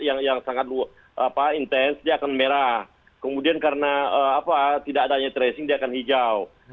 yang sangat intens dia akan merah kemudian karena tidak adanya tracing dia akan hijau